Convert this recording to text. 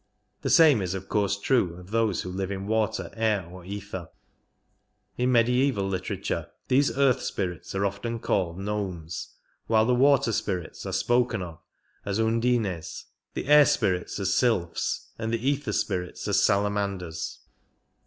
The same is of course true of those who live in water, air or ether. In mediaeval literature, these earth spirits are often called gnomes, while the water spirits are spoken of as Qndin^s, the air spirits as sylphs, and the ether spirits as salamanders.